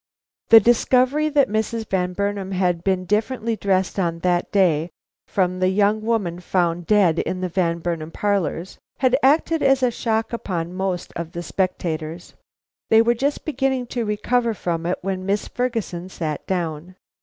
The discovery that Mrs. Van Burnam had been differently dressed on that day from the young woman found dead in the Van Burnam parlors, had acted as a shock upon most of the spectators. They were just beginning to recover from it when Miss Ferguson sat down.